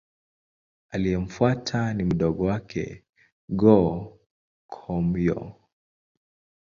Aliyemfuata ni mdogo wake Go-Komyo.